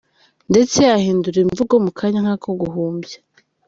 Ndetse ahindura imvugo mu kanya nk’ako guhumbya.